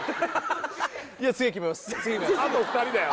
あと２人だよ